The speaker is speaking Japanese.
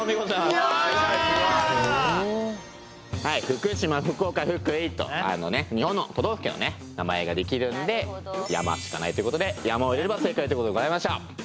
福島福岡福井と日本の都道府県の名前が出来るんで「山」しかないということで「山」を入れれば正解ということでございました。